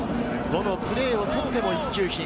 どのプレーをとっても一級品。